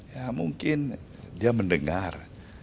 ya mungkin dia mendengar